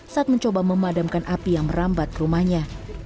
saat mencoba memadamkan api yang merambat ke rumahnya